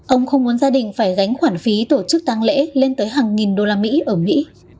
ông không muốn gia đình phải gánh khoản phí tổ chức tăng lễ lên tới hàng nghìn đô la mỹ ở mỹ